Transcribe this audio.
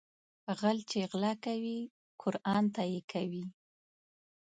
غل چې غلا کوي قرآن ته يې کوي